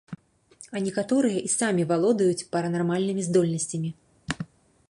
А некаторыя і самі валодаюць паранармальнымі здольнасцямі.